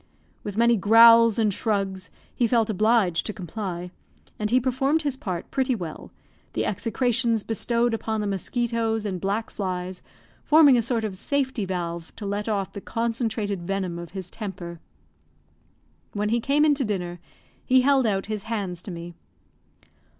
With many growls and shrugs, he felt obliged to comply; and he performed his part pretty well, the execrations bestowed upon the mosquitoes and black flies forming a sort of safety valve to let off the concentrated venom of his temper. When he came in to dinner, he held out his hands to me.